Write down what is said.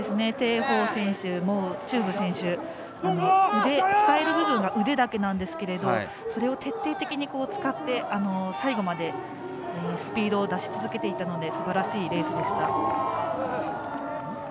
鄭鵬選手、毛忠武選手使える部分が腕だけなんですがそれを徹底的に使って最後までスピードを出し続けていたのですばらしいレースでした。